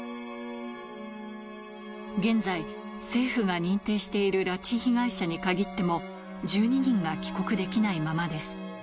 現在、政府が認定している拉致被害者に限っても、１２人が帰国できないままです。